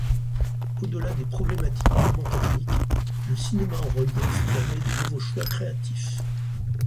Au-delà des problématiques purement techniques, le cinéma en relief permet de nouveaux choix créatifs.